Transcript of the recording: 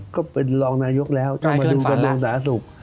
ก็เป็นรองนายกแล้วต้องมาดูกระทรวงสาธารณสุข